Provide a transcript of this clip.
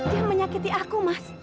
dia menyakiti aku mas